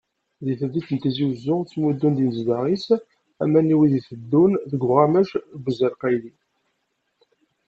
Deg temdint n Tizi Uzzu, ttmuddun-d yimezdaɣ-is aman i wid iteddun deg uɣamac n uzal qayli.